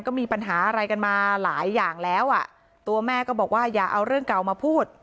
ก็มีปัญหาอะไรกันมาหลายอย่างแล้วอ่ะตัวแม่ก็บอกว่าอย่าเอาเรื่องเก่ามาพูด